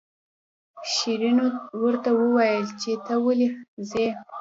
شیرینو ورته وویل چې ته ولې ځې.